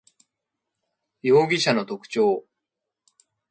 容疑者の特徴